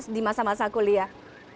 sebelumnya pas di masa masa kuliah